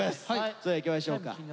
それではいきましょうか。